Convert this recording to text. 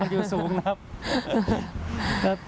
อยู่สูงนะครับ